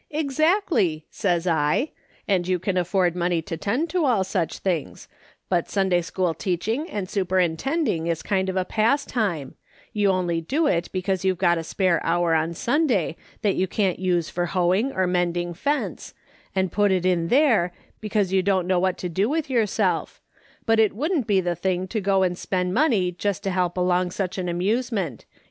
"' Exactly,' says I. ' And you can afford money to tend to all such things ; but Sunday school teach ing and superintending is kind of a pastime ; you only do it because you've got a spare hour on Sunday that you can't use for hoeing or mending fence, and put it in there because you don't know what to do with yourself ; bnt it M'ouldn't be the thing to go and spend money jest to help along such an amuse ment.